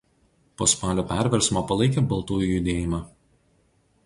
Po Spalio perversmo palaikė Baltųjų judėjimą.